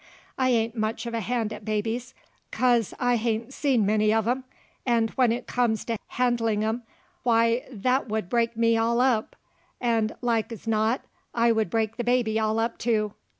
I ain't much of a hand at babies, 'cause I hain't seen many uv 'em, 'nd when it comes to handlin' 'em why, that would break me all up, 'nd like 's not 't would break the baby all up too.